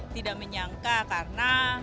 tidak menyangka karena